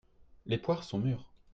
Les poires sont mûres.